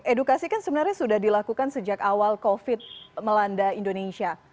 edukasi kan sebenarnya sudah dilakukan sejak awal covid melanda indonesia